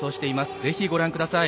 ぜひ、ご覧ください。